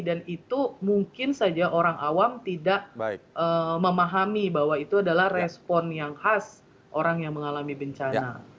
itu mungkin saja orang awam tidak memahami bahwa itu adalah respon yang khas orang yang mengalami bencana